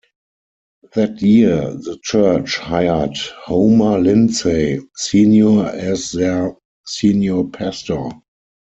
That year, the church hired Homer Lindsay, Senior as their senior pastor.